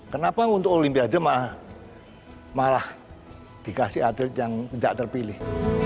kenapa untuk olimpiade malah dikasih atlet yang tidak terpilih